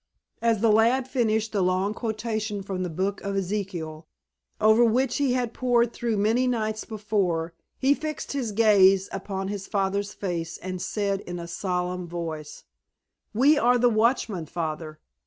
'" As the lad finished the long quotation from the book of Ezekiel, over which he had pored through many nights before, he fixed his gaze upon his father's face and said in a solemn voice: "We are the watchmen, Father.